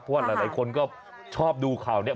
แบบว่านายคนก็ชอบดูข่าวเนี่ย